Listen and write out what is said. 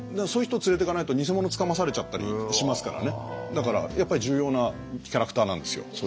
そういう人を連れていかないと偽物つかまされちゃったりしますからねだからやっぱり重要なキャラクターなんですよ